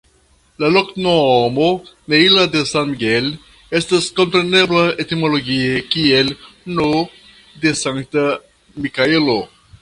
La loknomo "Neila de San Miguel" estas komprenebla etimologie kiel "N. de Sankta Mikaelo".